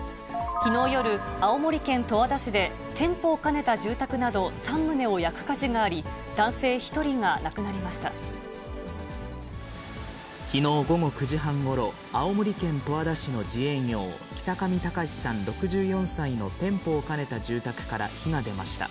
きのう夜、青森県十和田市で、店舗を兼ねた住宅など３棟を焼く火事があり、きのう午後９時半ごろ、青森県十和田市の自営業、北上孝さん６４歳の店舗を兼ねた住宅から火が出ました。